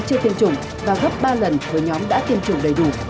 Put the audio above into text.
chưa tiêm chủng và gấp ba lần với nhóm đã tiêm chủng đầy đủ